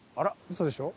嘘でしょ？